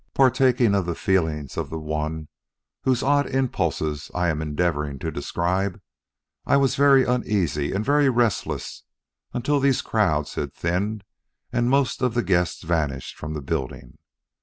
Partaking of the feelings of the one whose odd impulses I am endeavoring to describe, I was very uneasy and very restless until these crowds had thinned and most of the guests vanished from the building.